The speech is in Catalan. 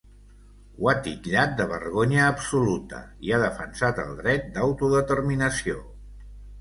Ho ha titllat de ‘vergonya absoluta’ i ha defensat el dret d’autodeterminació.